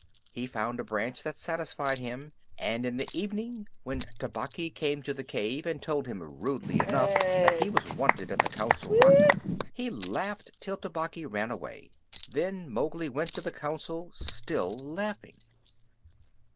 He found a branch that satisfied him, and in the evening when Tabaqui came to the cave and told him rudely enough that he was wanted at the Council Rock, he laughed till Tabaqui ran away. Then Mowgli went to the Council, still laughing.